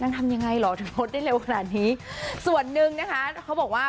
ทำยังไงเหรอถึงโพสต์ได้เร็วขนาดนี้ส่วนหนึ่งนะคะเขาบอกว่า